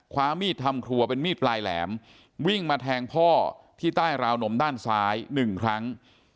ความมีดทำครัวเป็นมีดปลายแหลมวิ่งมาแทงพ่อที่ใต้ราวนมด้านซ้ายหนึ่งครั้ง